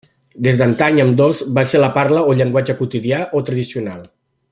Des d'antany ambdós van ser la parla o llenguatge quotidià o tradicional.